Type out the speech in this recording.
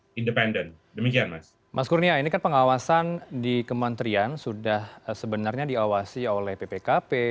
mas kurnia ini kan pengawasan di kementerian sudah sebenarnya diawasi oleh ppkp mas kurnia ini kan pengawasan di kementerian sudah sebenarnya diawasi oleh ppkp